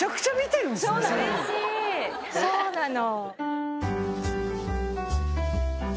そうなの。